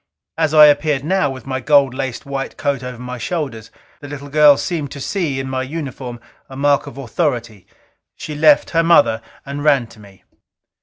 As I appeared now, with my gold laced white coat over my shoulders, the little girl seemed to see in my uniform a mark of authority. She left her mother and ran to me.